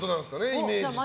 イメージとして。